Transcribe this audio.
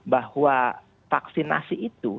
bahwa vaksinasi itu